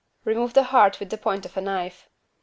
Remove the heart with the point of a knife.